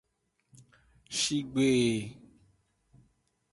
Shigbe.